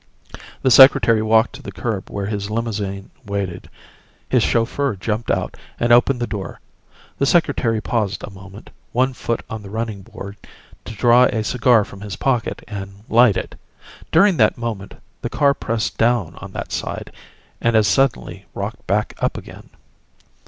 The Secretary walked to the curb where his limousine waited. His chauffeur jumped out and opened the door. The Secretary paused a moment, one foot on the running board, to draw a cigar from his pocket and light it. During that moment the car pressed down on that side, and as suddenly rocked back up again.